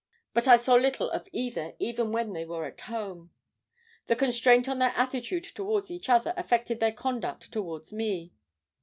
But I saw little of either even when they were at home. The constraint in their attitude towards each other affected their conduct towards me.